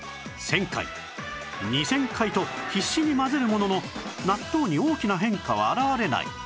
１０００回２０００回と必死に混ぜるものの納豆に大きな変化は表れない